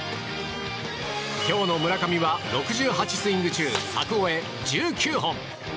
今日の村上は６８スイング中柵越え１９本。